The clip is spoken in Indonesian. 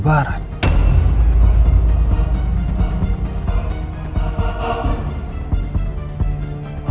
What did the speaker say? baik make up mbak